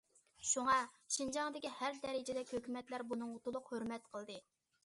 شۇڭا، شىنجاڭدىكى ھەر دەرىجىلىك ھۆكۈمەتلەر بۇنىڭغا تولۇق ھۆرمەت قىلدى.